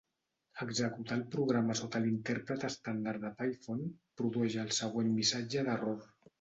Executar el programa sota l'intèrpret estàndard de Python produeix el següent missatge d'error.